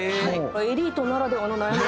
エリートならではの悩み。